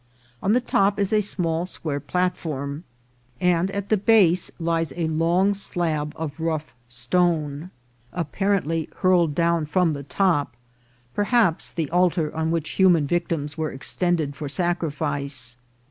On the top is a small square platform, and at the base lies a long slab of rough 20 230 INCIDENTS OF TRAVEL. stone, apparently hurled down from the top; perhaps the altar on which human victims were extended for sacrifice.